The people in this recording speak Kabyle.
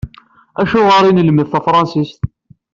Acuɣer i nlemmed tafransist?